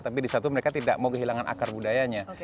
tapi di satu mereka tidak mau kehilangan akar budayanya